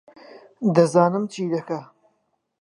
دەزانم چی دەکا